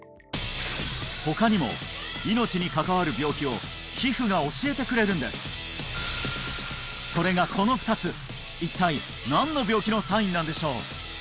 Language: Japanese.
他にも命に関わる病気を皮膚が教えてくれるんですそれがこの２つ一体何の病気のサインなんでしょう？